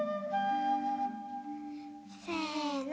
せの。